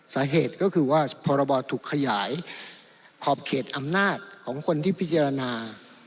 สาเหตุก็คือว่าพรบถูกขยายขอบเขตอำนาจของคนที่พิจารณา